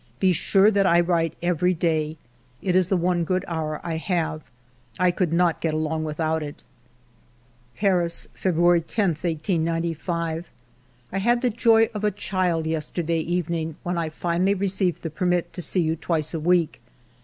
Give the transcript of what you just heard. Be sure that I write you every day. It is the one good hour I have. I could not get along without it." ... "Paris, February 10, 1895. " I had the joy of a child yesterday evening when I finally received the permit to see you twice a week.